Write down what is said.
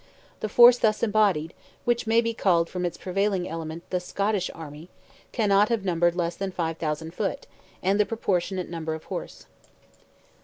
The force thus embodied—which may be called from its prevailing element the Scottish army—cannot have numbered less than 5,000 foot, and the proportionate number of horse.